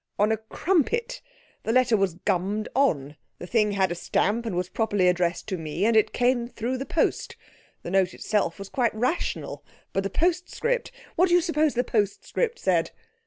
'On a crumpet. The letter was gummed on; the thing had a stamp, and was properly addressed to me, and it came through the post. The note itself was quite rational, but the postscript what do you suppose the postscript said?'